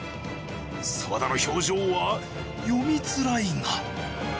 澤田の表情は読みづらいが。